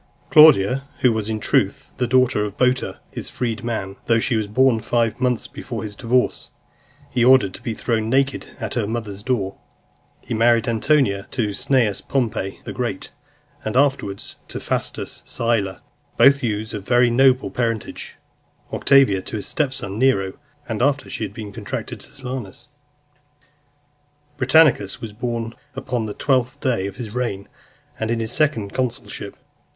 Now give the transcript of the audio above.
Claudia, who was, in truth, the daughter of Boter his freedman, though she was born five months before his divorce, he ordered to be thrown naked at her mother's door. He married Antonia to Cneius Pompey the Great , and afterwards to Faustus Sylla , both youths of very noble parentage; Octavia to his step son Nero , after she had been contracted to Silanus. Britannicus was born upon the twentieth day of his reign, and in his second consulship.